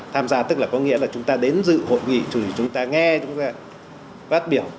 tham gia tức là có nghĩa là chúng ta đến dự hội nghị thì chúng ta nghe chúng ta phát biểu